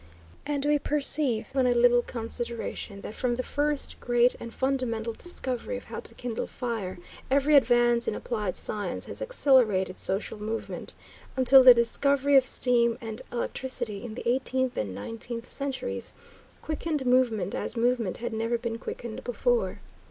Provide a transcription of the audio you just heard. And we perceive on a little consideration that from the first great and fundamental discovery of how to kindle fire, every advance in applied science has accelerated social movement, until the discovery of steam and electricity in the eighteenth and nineteenth centuries quickened movement as movement had never been quickened before.